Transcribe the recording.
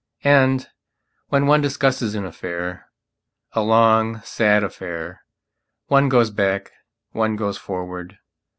And, when one discusses an affaira long, sad affairone goes back, one goes forward.